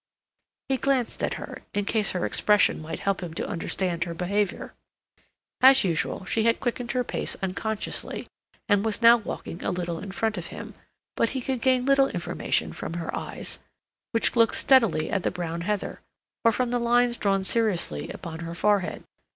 He glanced at her, in case her expression might help him to understand her behavior. As usual, she had quickened her pace unconsciously, and was now walking a little in front of him; but he could gain little information from her eyes, which looked steadily at the brown heather, or from the lines drawn seriously upon her forehead.